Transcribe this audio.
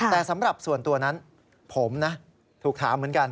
แต่สำหรับส่วนตัวนั้นผมนะถูกถามเหมือนกัน